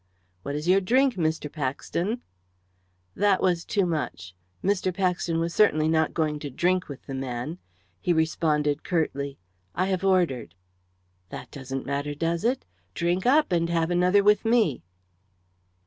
"What is your drink, Mr. Paxton?" That was too much; Mr. Paxton was certainly not going to drink with the man. He responded curtly "I have ordered." "That doesn't matter, does it? Drink up, and have another with me."